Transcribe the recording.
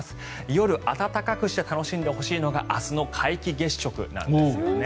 夜暖かくして楽しんでほしいのが明日の皆既月食なんですよね。